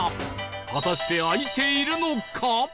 果たして開いているのか？